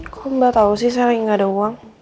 kok mbak tau sih saya lagi gak ada uang